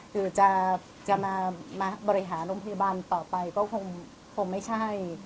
คือจะมาบริหารโรงพยาบาลต่อไปก็คงไม่ใช่